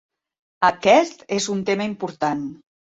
Aquest és un tema important.